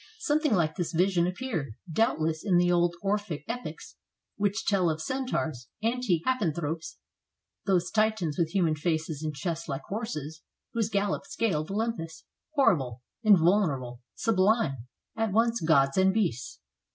Some thing like this vision appeared, doubtless, in the old Orphic epics which tell of centaurs, antique happan thropes, those titans with human faces, and chests like horses, whose gallop scaled Olympus, horrible, invulner able, sublime; at once gods and beasts.